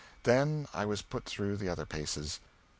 Then I was put through the other paces.